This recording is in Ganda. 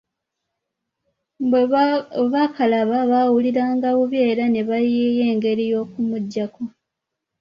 Bwe bakalaba baawulira nga bubi era ne bayiiya engeri y'okukamujjako.